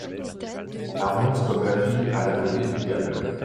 La ronce, comme la fîlle, a la beauté du diable.